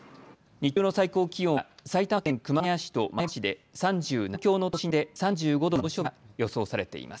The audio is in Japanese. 日中の最高気温は埼玉県熊谷市と前橋市で３７度東京の都心で３５度の猛暑日が予想されています。